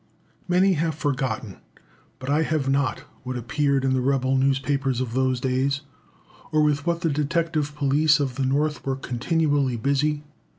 Many have forgotten, but I have not, what appeared in the rebel newspapers of those days, or with what the detective police of the North were continually busy.